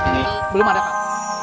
ini belum ada kang